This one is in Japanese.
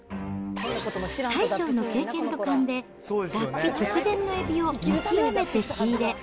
大将の経験と勘で、脱皮直前のエビを見極めて仕入れ。